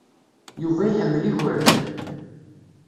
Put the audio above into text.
Yuba iḥemmel igerdan.